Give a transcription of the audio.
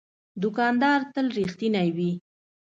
دوکاندار تل رښتینی وي.